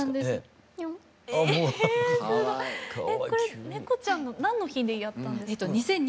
これ猫ちゃんの何の日にやったんですか？